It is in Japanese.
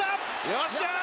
よっしゃあ！